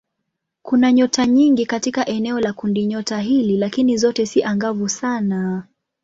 Kuna nyota nyingi katika eneo la kundinyota hili lakini zote si angavu sana.